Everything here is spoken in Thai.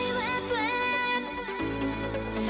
เสียดายตายห่วงเสียดายความเราไม่ธรรมดาย